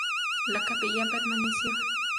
La capilla permaneció.